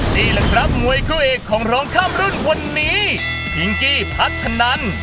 นี่แหละครับมวยคู่เอกของร้องข้ามรุ่นวันนี้พิงกี้พัฒนัน